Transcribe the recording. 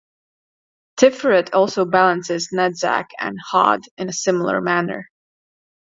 Tiferet also balances Netzach and Hod in a similar manner.